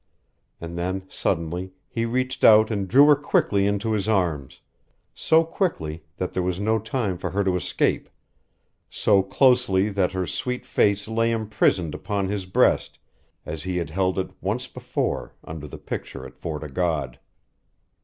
And then, suddenly, he reached out and drew her quickly into his arms so quickly that there was no time for her to escape, so closely that her sweet face lay imprisoned upon his breast, as he had held it once before, under the picture at Fort o' God.